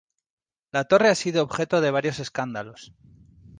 La torre ha sido objeto de varios escándalos.